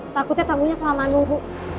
takutnya tamunya kelamaan nunggu